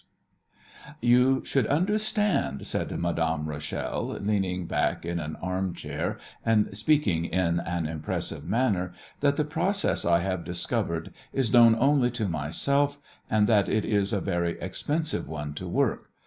[Illustration: "MADAME RACHEL"] "You should understand," said Madame Rachel, leaning back in an arm chair, and speaking in an impressive manner, "that the process I have discovered is known only to myself, and that it is a very expensive one to work.